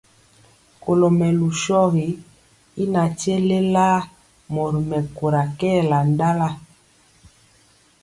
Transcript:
Kɔlo mɛlu shogi y natye lélaya, mori mɛkóra kɛɛla ndala.